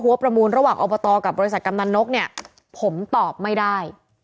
ประมูลระหว่างอบตกับบริษัทกำนันนกเนี่ยผมตอบไม่ได้